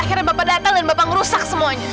akhirnya bapak datang dan bapak ngerusak semuanya